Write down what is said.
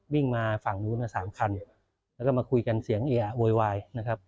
วิ่งมาฝั่งนู้นสามคันแล้วก็มาคุยกันเสียงเอะโวยวายนะครับ